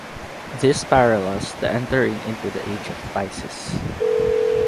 This parallels the entering into the Age of Pisces.